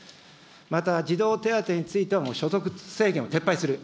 また児童手当については所得制限も撤廃する。